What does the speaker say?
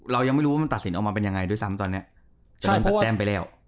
เรายังไม่รู้ว่ามันตัดสินออกมาเป็นยังไงด้วยซ้ำตอนนี้